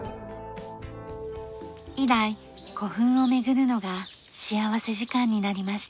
以来古墳を巡るのが幸福時間になりました。